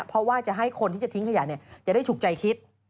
เพราะว่าจะให้คนที่จะทิ้งขยะจะได้ฉุกใจคิด